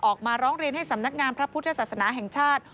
ออกมาร้องเรียนให้สำนักงานพระพุทธศาสนาแห่งชาติ